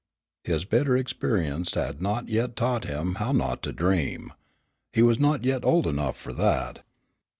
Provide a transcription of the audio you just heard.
His bitter experience had not yet taught him how not to dream. He was not yet old enough for that.